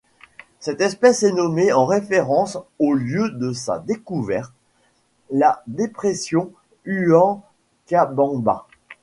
Cette espèce est nommée en référence au lieu de sa découverte, la dépression Huancabamba.